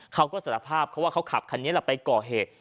เขาก็สารภาพเขาว่าเขาขับคันนี้แหละไปก่อเหตุ